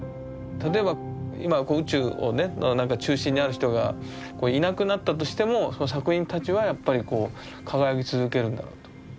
例えば今宇宙をねのなんか中心にある人がいなくなったとしてもその作品たちはやっぱりこう輝き続けるんだろうと。